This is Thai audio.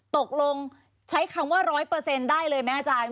ตกลงใช้คำว่า๑๐๐ได้เลยไหมอาจารย์